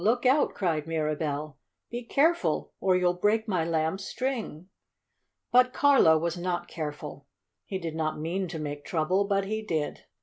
Look out!" cried Mirabell. "Be careful or you'll break my Lamb's string!" But Carlo was not careful. He did not mean to make trouble, but he did.